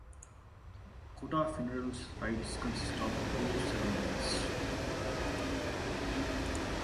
Kota funeral rites consist of two ceremonies.